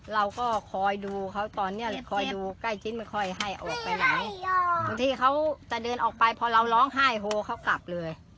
เราก็คอยดูเขาตอนนี้คอยดูใกล้ชิ้นไม่ค่อยให้เอาออกไปไหนบางทีเขาจะเดินออกไปพอเราร้องไห้โฮเขากลับเลย